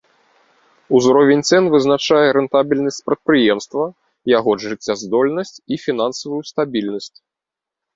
Узровень цэн вызначае рэнтабельнасць прадпрыемства, яго жыццяздольнасць і фінансавую стабільнасць.